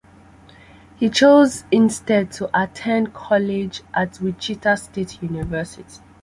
He chose instead to attend college at Wichita State University.